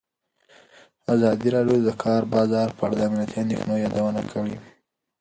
ازادي راډیو د د کار بازار په اړه د امنیتي اندېښنو یادونه کړې.